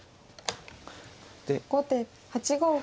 後手８五歩。